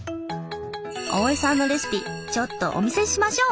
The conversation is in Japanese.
青江さんのレシピちょっとお見せしましょう。